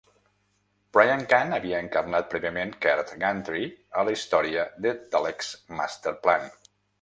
Brian Cant havia encarnat prèviament Kert Gantry a la història "The Daleks Master Plan".